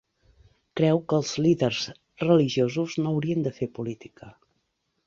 Creu que els líders religiosos no haurien de fer política.